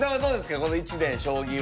この一年将棋は？